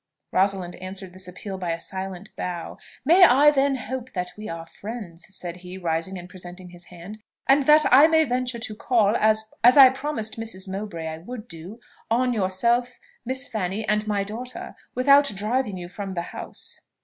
Rosalind answered this appeal by a silent bow. "May I, then, hope that we are friends?" said he, rising and presenting his hand; "and that I may venture to call, as I promised Mrs. Mowbray I would do, on yourself, Miss Fanny, and my daughter, without driving you from the house?"